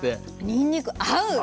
にんにく合う。